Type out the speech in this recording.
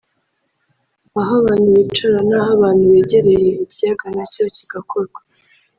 aho abantu bicara n’aho abantu begereye ikiyaga nacyo kigakorwa